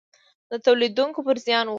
د تولیدوونکو پر زیان و.